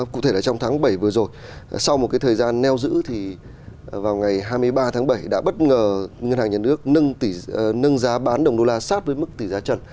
cụ thể là trong tháng bảy vừa rồi sau một thời gian neo giữ thì vào ngày hai mươi ba tháng bảy đã bất ngờ ngân hàng nhà nước nâng giá bán đồng đô la sát với mức tỷ giá trần